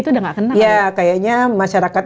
itu udah gak kena ya kayaknya masyarakat